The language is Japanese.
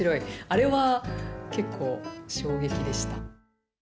あれは結構、衝撃でした。